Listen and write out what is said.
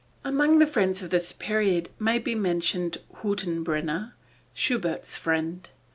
Among the friends of this period may be mentioned Hüttenbrenner, Schubert's friend.